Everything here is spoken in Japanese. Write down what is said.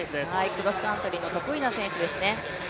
クロスカントリーの得意な選手ですね。